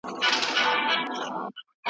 زه د عمر مسافر سوم ماته مه وینه خوبونه `